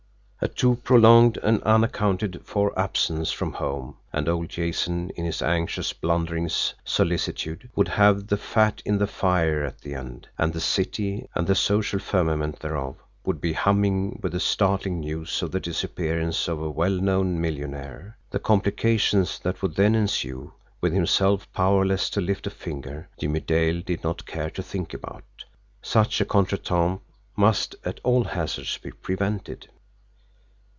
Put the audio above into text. A too prolonged and unaccounted for absence from home, and old Jason, in his anxious, blundering solicitude, would have the fat in the fire at that end and the city, and the social firmament thereof, would be humming with the startling news of the disappearance of a well known millionaire. The complications that would then ensue, with himself powerless to lift a finger, Jimmie Dale did not care to think about such a contretemps must at all hazards be prevented.